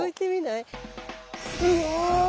うわ！